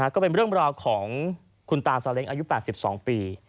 ก็เป็นเรื่องราวของคุณตาซาเล้งอายุ๘๒ปี